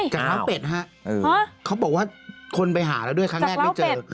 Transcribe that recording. กับเท้าเป็ดฮะเขาบอกว่าคนไปหาแล้วด้วยครั้งแรกไม่เจอ